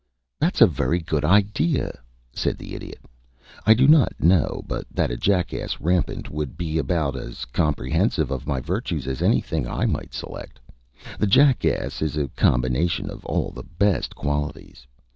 "That's a very good idea," said the Idiot. "I do not know but that a jackass rampant would be about as comprehensive of my virtues as anything I might select. The jackass is a combination of all the best qualities.